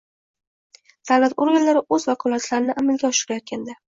davlat organlari o‘z vakolatlarini amalga oshirayotganda;